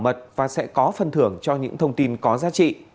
quý vị sẽ được bảo mật và sẽ có phân thưởng cho những thông tin có giá trị